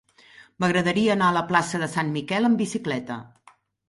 M'agradaria anar a la plaça de Sant Miquel amb bicicleta.